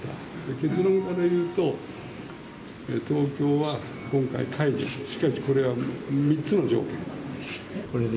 結論からいうと、東京は今回解除、しかしこれは３つの条件がある。